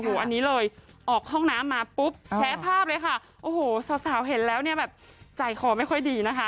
โอ้โหอันนี้เลยออกห้องน้ำมาปุ๊บแชร์ภาพเลยค่ะโอ้โหสาวสาวเห็นแล้วเนี่ยแบบใจคอไม่ค่อยดีนะคะ